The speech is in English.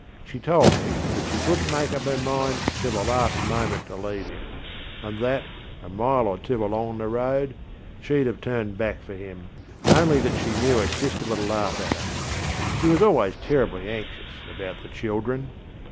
She told me that she couldnŌĆÖt make up her mind till the last moment to leave him, and that, a mile or two along the road, sheŌĆÖd have turned back for him, only that she knew her sister would laugh at her. She was always terribly anxious about the children.